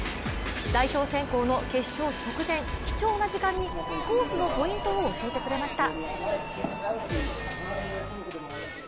代表選考の決勝直前貴重な時間にコースのポイントを教えてくれました。